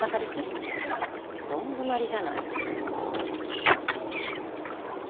どん詰まりじゃないの。